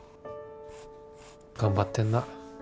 頑張ってんな。